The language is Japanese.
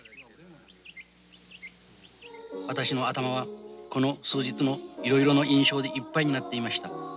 私の頭はこの数日のいろいろの印象でいっぱいになっていました。